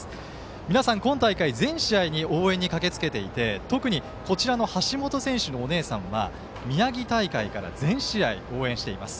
皆さん今大会、全試合に応援に駆けつけていて特に、橋本選手のお姉さんは宮城大会から全試合、応援しています。